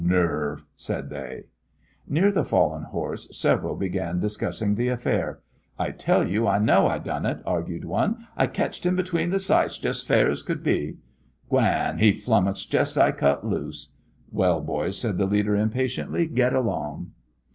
"Nerve!" said they. Near the fallen horse several began discussing the affair. "I tell you I know I done it!" argued one. "I ketched him between the sights, jest's fair as could be." "G'wan, he flummuxed jest's I cut loose!" "Well, boys," called the leader, impatiently, "get along!"